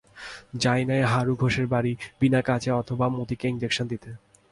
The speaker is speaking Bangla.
যায় না হারু ঘোষের বাড়ি, বিনা কাজে অথবা মতিকে ইনজেকশন দিতে।